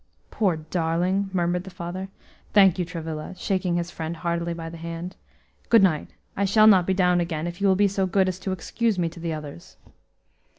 "Poor darling!" murmured the father. "Thank you, Travilla," shaking his friend heartily by the hand. "Good night; I shall not be down again if you will be so good as to excuse me to the others."